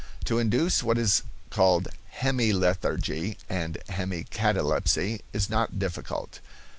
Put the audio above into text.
To induce what is called hemi lethargy and hemi catalepsy is not difficult.